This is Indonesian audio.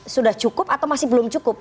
sudah cukup atau masih belum cukup